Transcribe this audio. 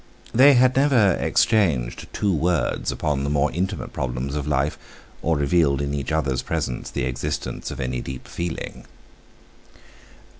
They had never exchanged two words upon the more intimate problems of life, or revealed in each other's presence the existence of any deep feeling.